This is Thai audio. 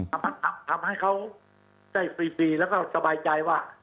มันทำให้เขาได้ฟรีแล้วก็สบายใจว่า